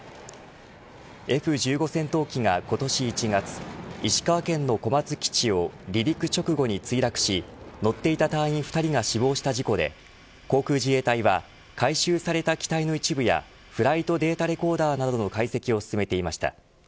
Ｆ‐１５戦闘機が今年１月石川県の小松基地を離陸直後に墜落し乗っていた隊員２人が死亡した事故で航空自衛隊は回収された機体の一部やフライトデータレコーダーなどの解析を進めていました。